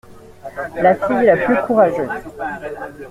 La fille la plus courageuse.